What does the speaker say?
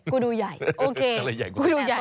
ค่ะก็เลยกูดูใหญ่